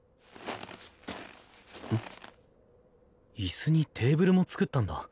椅子にテーブルも作ったんだ。